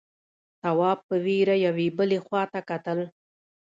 تواب په وېره يوې بلې خواته کتل…